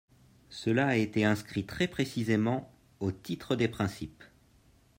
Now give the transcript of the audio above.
Cela a été inscrit très précisément au titre des principes.